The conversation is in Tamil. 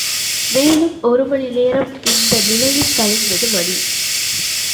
மேலும் ஒரு மணி நேரம் இந்த நிலையில் கழிந்தது மணி.